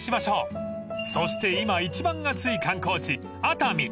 ［そして今一番熱い観光地熱海］